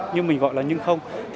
như mình gọi là nhưng không